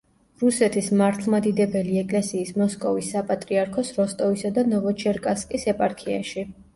რუსეთის მართლმადიდებელი ეკლესიის მოსკოვის საპატრიარქოს როსტოვისა და ნოვოჩერკასკის ეპარქიაში.